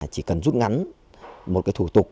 chỉ cần rút ngắn một thủ tục